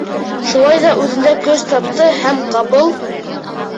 Шулай ҙа үҙендә көс тапты һәм ҡапыл: